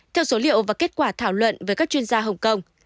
theo số liệu và kết quả thảo luận với các chuyên gia hồng kông